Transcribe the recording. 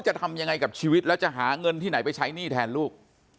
จะทำยังไงกับชีวิตแล้วจะหาเงินที่ไหนไปใช้หนี้แทนลูก